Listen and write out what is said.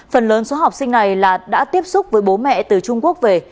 phần lớn số học sinh này là đã tiếp xúc với bố mẹ từ trung quốc về